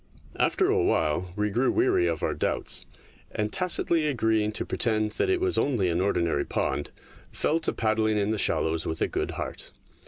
After a while we grew weary of our doubts, and, tacitly agreeing to pretend that it was only an ordinary pond, fell to paddling in the shallows with a good heart.